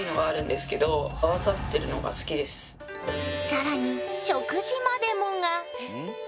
更に食事までもが。